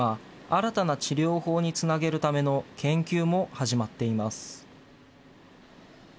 今、新たな治療法につなげるための研究も始まっています。